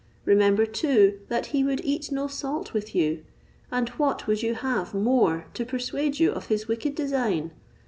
Remember, too, that he would eat no salt with you; and what would you have more to persuade you of his wicked design?